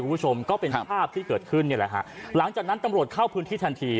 คุณผู้ชมก็เป็นภาพที่เกิดขึ้นนี่แหละฮะหลังจากนั้นตำรวจเข้าพื้นที่ทันที